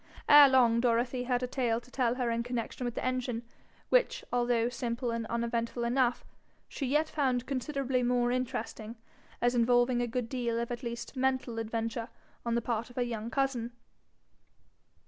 Ere long Dorothy had a tale to tell her in connection with the engine, which, although simple and uneventful enough, she yet found considerably more interesting, as involving a good deal of at least mental adventure on the part of her young cousin.